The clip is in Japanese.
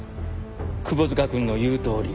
久保塚くんの言うとおり。